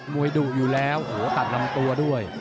มวยดูอยู่แล้วตัดลำตัวด้วย